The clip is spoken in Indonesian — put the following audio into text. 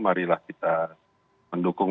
marilah kita mendukung